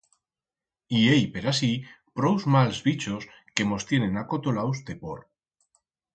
I hei per así prous mals bichos que mos tienen acotolaus de por.